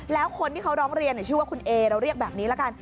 แล้วคนที่เขาร้องเรียนชื่อว่าคุณเอเราเรียกแบบนี้ละกัน